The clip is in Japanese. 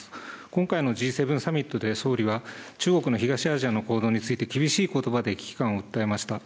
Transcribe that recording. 今回のＧ７サミットで総理は中国の東アジアの行動について厳しいことばで危機感を訴えました。